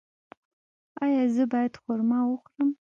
ایا زه باید خرما وخورم؟